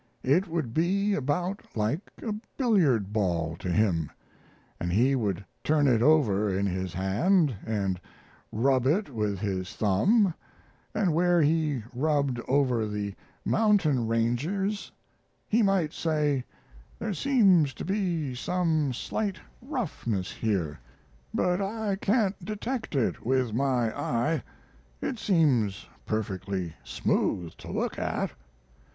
It would be about like a billiard ball to him, and he would turn it over in his hand and rub it with his thumb, and where he rubbed over the mountain ranges he might say, 'There seems to be some slight roughness here, but I can't detect it with my eye; it seems perfectly smooth to look at.'